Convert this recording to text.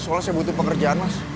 soalnya saya butuh pekerjaan mas